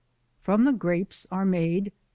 From the Grapes are made, 1.